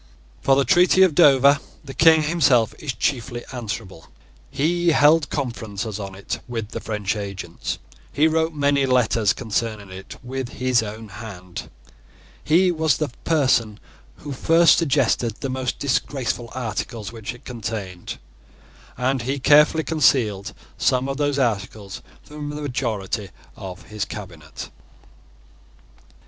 For the treaty of Dover the King himself is chiefly answerable. He held conferences on it with the French agents: he wrote many letters concerning it with his own hand: he was the person who first suggested the most disgraceful articles which it contained; and he carefully concealed some of those articles from the majority of his Cabinet.